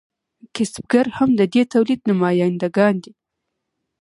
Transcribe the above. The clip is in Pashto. کسبګر هم د دې تولید نماینده ګان دي.